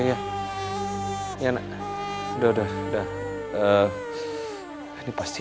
ini susah nasi